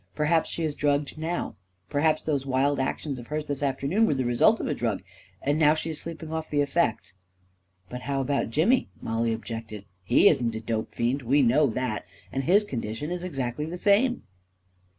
Perhaps she is drugged now — perhaps those wild actions of hers this afternoon were the result of a drug; and now she is sleeping off the effects." "But how about Jimmy?" Mollie objected. " He isn't a dope fiend — we know that — and his condition is exactly the same."